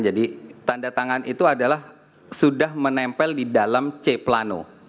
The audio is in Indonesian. jadi tanda tangan itu adalah sudah menempel di dalam c plano